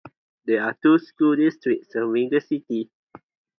There are two school districts serving the city.